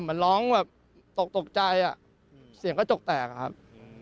ก็เหมือนร้องตกใจเสียงกระจกแตกครับ